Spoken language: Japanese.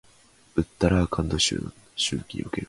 ウッタラーカンド州の夏季における州都はゲールセーンである